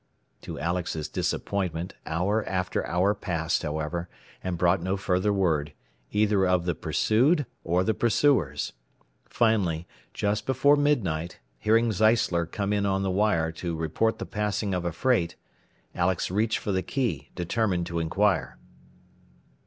To Alex's disappointment hour after hour passed, however, and brought no further word, either of the pursued, or the pursuers. Finally, just before midnight, hearing Zeisler "come in" on the wire to report the passing of a freight, Alex reached for the key, determined to inquire.